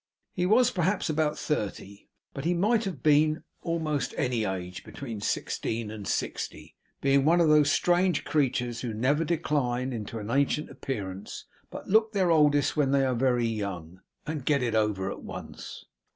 He was perhaps about thirty, but he might have been almost any age between sixteen and sixty; being one of those strange creatures who never decline into an ancient appearance, but look their oldest when they are very young, and get it over at once.